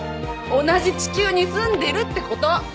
同じ地球に住んでるってこと！